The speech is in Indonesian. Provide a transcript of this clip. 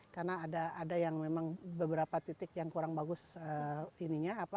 karena ada yang memang beberapa titik yang kurang bagus ininya